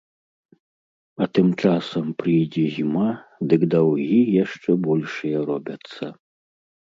А тым часам прыйдзе зіма, дык даўгі яшчэ большыя робяцца.